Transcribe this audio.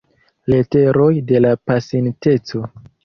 Leteroj de la Pasinteco.